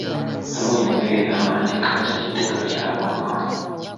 Waliwo enjogera egamba nti ekkanisa kiddukiro ky’aboononyi.